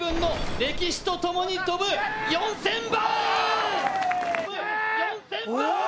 歴史とともに跳ぶ４０００番！